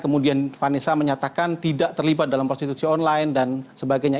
kemudian vanessa menyatakan tidak terlibat dalam prostitusi online dan sebagainya